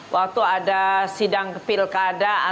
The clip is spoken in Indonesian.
waktu ada sidang pilkada